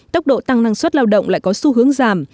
tốc độ tăng năng suất lao động lại có xu hướng giảm